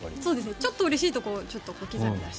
ちょっとうれしいと小刻みだし。